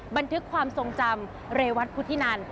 บันทึกความทรงจำเรวัตพุทธินัน